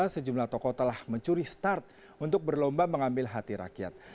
sejumlah tokoh telah mencuri start untuk berlomba mengambil hati rakyat